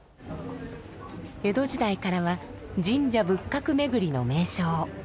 江戸時代からは神社仏閣巡りの名勝。